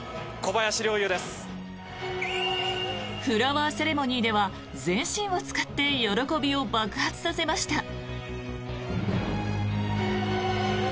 フラワーセレモニーでは全身を使って喜びを爆発させました。